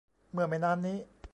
เมื่อไม่นานนี้